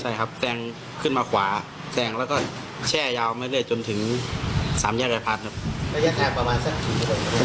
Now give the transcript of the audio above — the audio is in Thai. ใช่ครับแซงขึ้นมาขวาแซงแล้วก็แช่ยาวไม่ได้จนถึงสามแยกไอภาพครับ